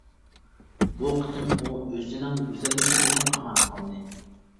بۇ قېتىم ئۇ ئۆزىنىڭ گۈزەللىكى بىلەن ئامان قالدى.